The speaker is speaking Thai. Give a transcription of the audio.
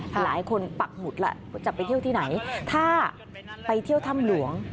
หลายคนปักหมุดแล้วจะไปเที่ยวที่ไหนถ้าไปเที่ยวถ้ำหลวง